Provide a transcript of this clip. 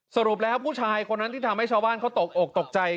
สรุปแล้วผู้ชายคนนั้นที่ทำให้ชาวบ้านเขาตกอกตกใจ